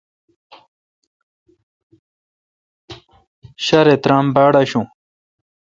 ݭارےترام باڑ آشوں۔